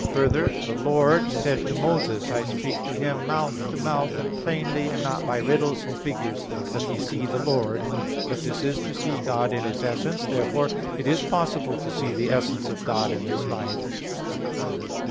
2: Further, the Lord said to Moses: "I speak to him mouth to mouth, and plainly, and not by riddles and figures doth he see the Lord" (Num. 12:8); but this is to see God in His essence. Therefore it is possible to see the essence of God in this life.